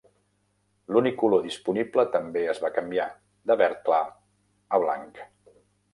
L'únic color disponible també es va canviar, de verd clar a blanc.